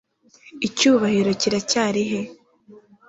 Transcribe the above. icyubahiro kiracyari he